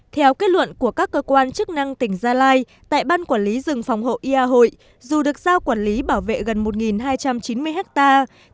theo kết luận của các cơ quan chức năng tỉnh gia lai tại ban quản lý rừng phòng hộ ia hội dù được giao quản lý bảo vệ gần một hai trăm chín mươi hectare